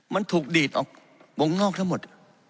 มันถูกดีดออกวงนอกทั้งหมด